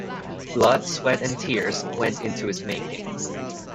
Blood, sweat and tears went into its making.